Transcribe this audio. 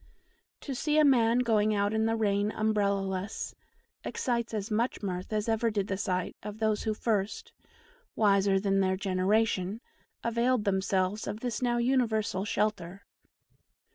To see a man going out in the rain umbrella less excites as much mirth as ever did the sight of those who first wiser than their generation availed themselves of this now universal shelter.